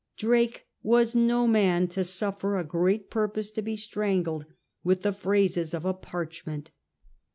Drake was no man to suffer a great purpose to be strangled with the phrases of a parchment.